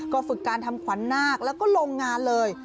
ก็ฝึกการทำขวัญนาคแล้วก็ลงงานเลย